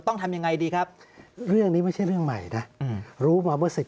ต้องทำยังไงดีครับเรื่องนี้ไม่ใช่เรื่องใหม่นะรู้มาเมื่อศึก